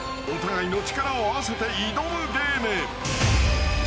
［お互いの力を合わせて挑むゲーム］